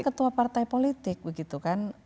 mereka adalah ketua partai politik begitu kan